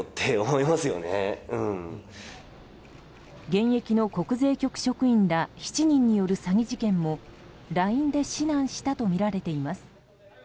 現役の国税局職員ら７人による詐欺事件も、ＬＩＮＥで指南したとみられています。